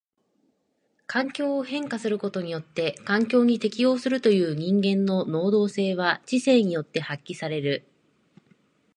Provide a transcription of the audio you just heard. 環境を変化することによって環境に適応するという人間の能動性は知性によって発揮される。